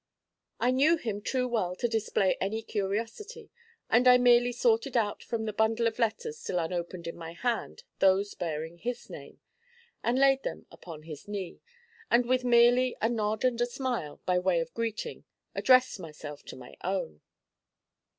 I knew him too well to display any curiosity, and I merely sorted out from the bundle of letters still unopened in my hand those bearing his name, and laid them upon his knee, and with merely a nod and smile, by way of greeting, addressed myself to my own.